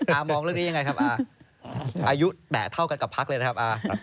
มองเรื่องนี้ยังไงครับอาอายุแตะเท่ากันกับพักเลยนะครับ